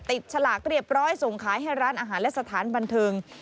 ฉลากเรียบร้อยส่งขายให้ร้านอาหารและสถานบันเทิง